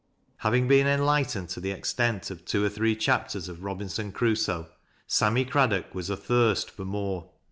Having been enlightened to the extent of two or three chapters of " Eobinson Crusoe," Sammy Craddock was athirst for more.